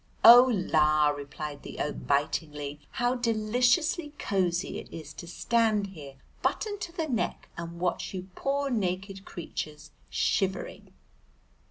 "Oh, la!" replied the oak bitingly, "how deliciously cosy it is to stand here buttoned to the neck and watch you poor naked creatures shivering!"